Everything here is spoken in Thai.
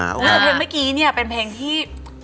แต่เพลงเมื่อกี้เป็นเพลงที่